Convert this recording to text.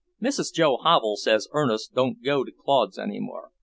"Mrs. Joe Havel says Ernest don't go to Claude's any more.